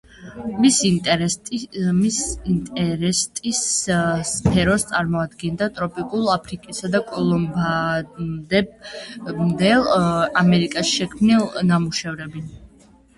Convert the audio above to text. მის ინტერესის სფეროს წარმოადგენდა ტროპიკულ აფრიკასა და კოლუმბამდელ ამერიკაში შექმნილი ნამუშევრები.